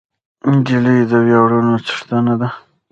نجلۍ د ویاړونو څښتنه ده.